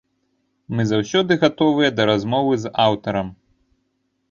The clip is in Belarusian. Мы заўсёды гатовыя да размовы з аўтарам.